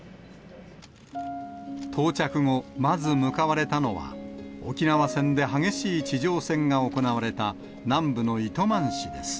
到着後、まず向かわれたのは、沖縄戦で激しい地上戦が行われた、南部の糸満市です。